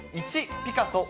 １、ピカソ。